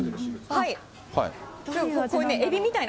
はい。